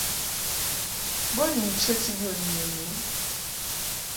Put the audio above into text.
Bo ni nchəti bə nu mɨ.